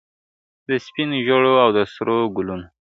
د سپینو ژړو او د سرو ګلونو ..